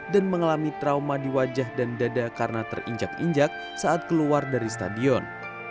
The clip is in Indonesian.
dan mengalami trauma di wajah dan dada karena terinjak injak saat keluar dari stadion